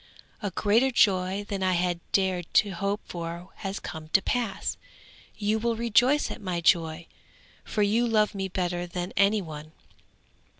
'A greater joy than I had dared to hope for has come to pass. You will rejoice at my joy, for you love me better than any one.'